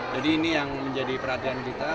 jadi ini yang menjadi perhatian kita